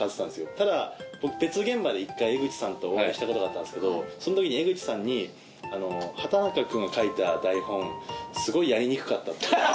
ただ僕別現場で１回江口さんとお会いしたことがあったんですけどその時に江口さんに「畠中君が書いた台本すごいやりにくかった」って。